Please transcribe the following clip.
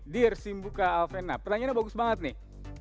dear simbuka alvena pertanyaannya bagus banget nih